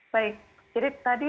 baik jadi tadi